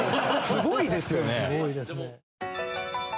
すごいですね。